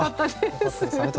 よかったです